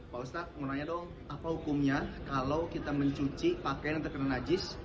pak ustadz mau nanya dong apa hukumnya kalau kita mencuci pakaian yang terkena najis